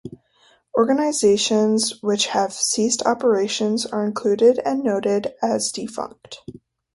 Organizations which have ceased operations are included and noted as defunct.